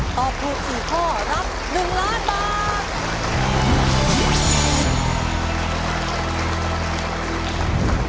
ตอบถูก๔ข้อรับ๑ล้านบาท